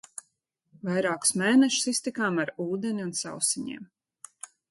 Vairākus mēnešus iztikām ar ūdeni un sausiņiem.